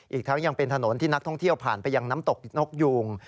อีกทั้งยังเป็นถนนที่นักท่องเที่ยวผ่านไปยังน้ำตกนกยูง